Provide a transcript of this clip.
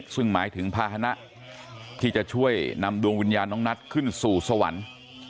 ซึ่งหมายถึงภาษณะที่จะช่วยนำดวงวิญญาณน้องนัทขึ้นสู่สวรรค์